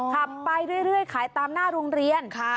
ขับไปเรื่อยขายตามหน้าโรงเรียน